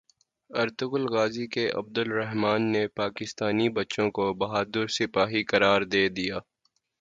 Ertugrul Ghazi کے Abdurrahman نے پاکستانی بچوں کو بہادر سپاہی قرار دے دیا